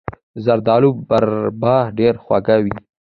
د زردالو مربا ډیره خوږه وي.